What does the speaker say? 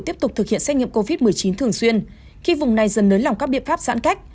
tiếp tục thực hiện xét nghiệm covid một mươi chín thường xuyên khi vùng này dần nới lỏng các biện pháp giãn cách